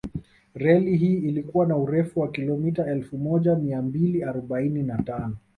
Reli hii ilikuwa na urefu wa kilomita Elfu moja mia mbili arobaini na tano